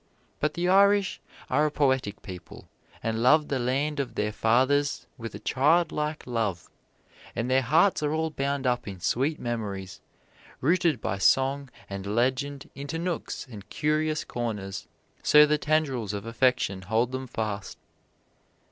But the Irish are a poetic people and love the land of their fathers with a childlike love, and their hearts are all bound up in sweet memories, rooted by song and legend into nooks and curious corners, so the tendrils of affection hold them fast.